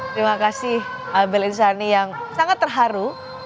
terima kasih abel insani yang sangat terharu